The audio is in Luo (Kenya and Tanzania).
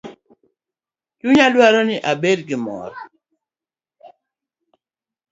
Chunya dwaro ni ibed gi mor